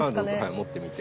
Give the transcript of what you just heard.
持ってみて。